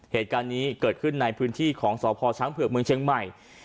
เหตุการณ์นี้เกิดขึ้นในพื้นที่ของสพช้างเผือกเมืองเชียงใหม่